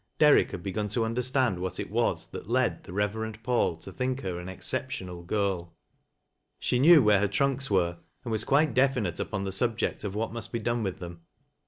Derrick had .begun to understand what it was that led the Keverend Paul to think her an exceptional girl. She knew where her trunks were, and was quite definite upon the sxibject of what must be done with them.